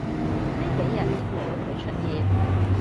呢幾日先見到佢出現